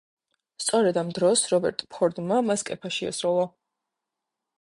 სწორედ ამ დროს რობერტ ფორდმა მას კეფაში ესროლა.